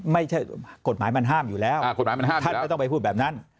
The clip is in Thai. ไม่ใช่กฎหมายมันห้ามอยู่แล้วท่านไม่ต้องไปพูดแบบนั้น